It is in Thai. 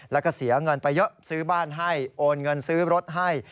แล้วก็เสียเงินไปเยอะซื้อบ้านให้โอนเงินซื้อรถให้